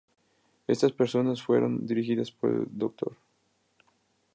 Estas personas fueron dirigidas por el Dr.